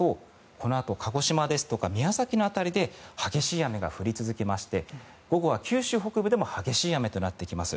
このあと鹿児島ですとか宮崎の辺りで激しい雨が降り続きまして午後は九州北部でも激しい雨となってきます。